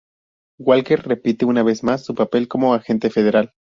Walker repite una vez más su papel como agente federal.